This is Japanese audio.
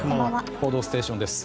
「報道ステーション」です。